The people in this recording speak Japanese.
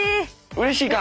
うれしいか？